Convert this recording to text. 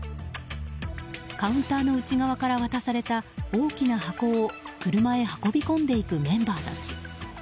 カウンターの内側から渡された大きな箱を車へ運び込んでいくメンバーたち。